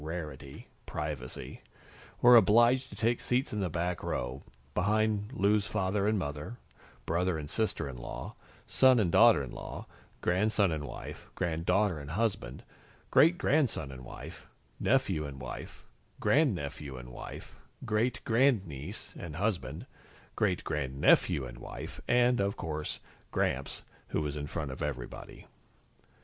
rarity privacy were obliged to take seats in the back row, behind Lou's father and mother, brother and sister in law, son and daughter in law, grandson and wife, granddaughter and husband, great grandson and wife, nephew and wife, grandnephew and wife, great grandniece and husband, great grandnephew and wife and, of course, Gramps, who was in front of everybody.